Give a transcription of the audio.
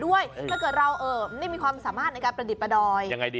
ถ้าเกิดเราไม่มีความสามารถในการประดิษฐ์ประดอยยังไงดี